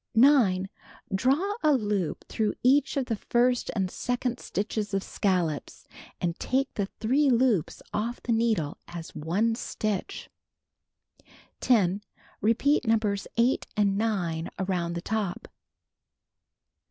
9. Draw a loop through each of the first and second stitches of scallops, and take the 3 loops off the needle as one stitch. 10. Repeat Nos. 8 and 9 around the top.